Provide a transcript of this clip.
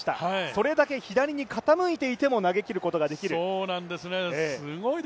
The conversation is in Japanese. それだけ左に傾いていても投げきることができる。